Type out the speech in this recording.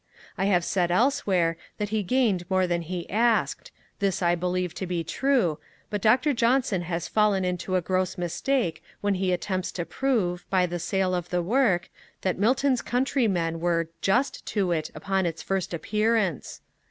I have said elsewhere that he gained more than he asked, this I believe to be true, but Dr. Johnson has fallen into a gross mistake when he attempts to prove, by the sale of the work, that Milton's Countrymen were 'just to it' upon its first appearance.